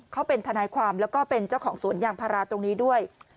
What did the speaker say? เขาเป็นทนายความแล้วก็เป็นเจ้าของสวนยางพาราตรงนี้ด้วย